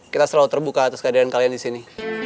kita selalu terbuka atas keadaan kalian disini